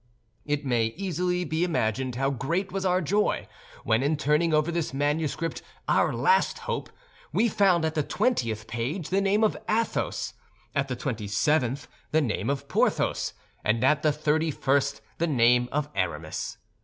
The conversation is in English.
It may be easily imagined how great was our joy when, in turning over this manuscript, our last hope, we found at the twentieth page the name of Athos, at the twenty seventh the name of Porthos, and at the thirty first the name of Aramis.